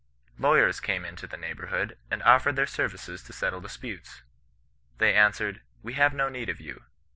Lawyers came into the neighbourhood, and offered their services to settle disputes. They answered, * We have no need of you.